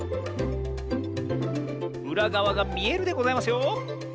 うらがわがみえるでございますよ！